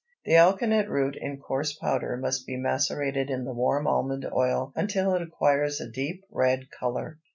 The alkanet root in coarse powder must be macerated in the warm almond oil until it acquires a deep red color.